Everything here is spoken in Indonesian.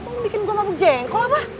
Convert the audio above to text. lo bikin gue mabuk jengkol apa